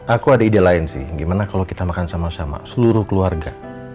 aku ada ide lain sih gimana kalau kita makan sama sama seluruh keluarga